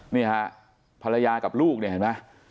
นี่ฮะภรรยากับลูกเนี่ยเห็นไหม